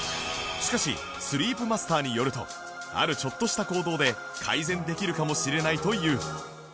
しかしスリープマスターによるとあるちょっとした行動で改善できるかもしれないという